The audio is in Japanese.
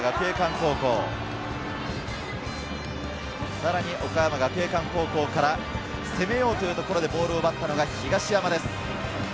さらに岡山学芸館高校から、攻めようというところでボールを奪ったのが東山です。